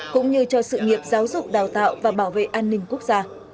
cũng như cho sự nghiệp giáo dục đào tạo và bảo vệ an ninh quốc gia